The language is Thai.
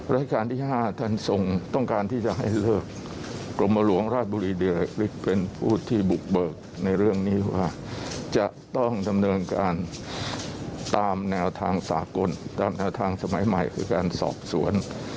ราชการที่๕ท่านทรงต้องการที่จะให้เลิกกรมหลวงราชบุรีเดือกเป็นผู้ที่บุกเบิกในเรื่องนี้ว่าจะต้องดำเนินการตามแนวทางสากลตามแนวทางสมัยใหม่คือการสอบสวน